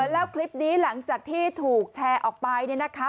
แล้วคลิปนี้หลังจากที่ถูกแชร์ออกไปเนี่ยนะคะ